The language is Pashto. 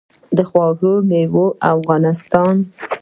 د خوږو میوو هیواد افغانستان.